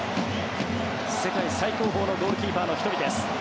世界最高峰のゴールキーパーの１人です。